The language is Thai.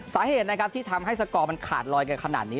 สาเหตุนะครับที่ทำให้สกอร์มันขาดลอยกันขนาดนี้